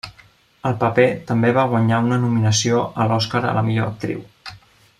El paper també va guanyar una nominació a l'Oscar a la millor actriu.